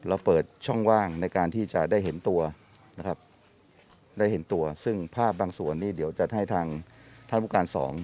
เราเปิดช่องว่างในการที่จะได้เห็นตัวนะครับได้เห็นตัวซึ่งภาพบางส่วนนี่เดี๋ยวจัดให้ทางท่านผู้การสอง